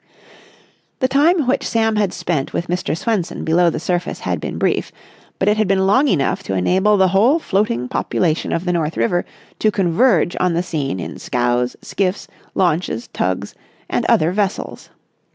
The time which Sam had spent with Mr. Swenson below the surface had been brief, but it had been long enough to enable the whole floating population of the North River to converge on the scene in scows, skiffs, launches, tugs, and other vessels.